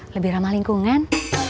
lebih ramah lingkungan